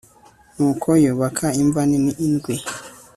nuko yubaka imva nini ndwi